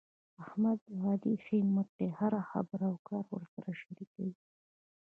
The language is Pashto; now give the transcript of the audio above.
احمد د علي ښی مټ دی. هره خبره او کار ورسره شریکوي.